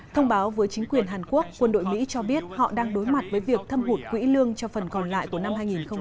thông báo với chính quyền hàn quốc quân đội mỹ cho biết họ đang đối mặt với việc thâm hụt quỹ lương cho phần còn lại của năm hai nghìn hai mươi